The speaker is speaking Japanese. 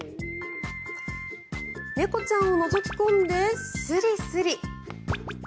猫ちゃんをのぞき込んでスリスリ。